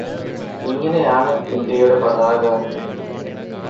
ഇങ്ങനെയാണ് ഇന്ത്യയുടെ പതാക